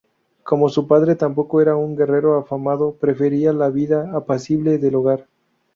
Como su padre, tampoco era un guerrero afamado, prefería la vida apacible del hogar.